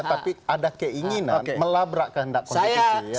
tapi ada keinginan melabrak kehendak konstitusi